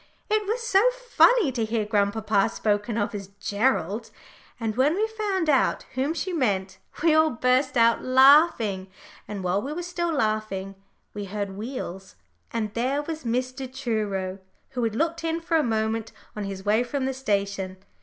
It was so funny to hear grandpapa spoken of as "Gerald" and when we found out whom she meant, we all burst out laughing. And while we were still laughing we heard wheels, and there was Mr. Truro, who had looked in for a moment on his way from the station.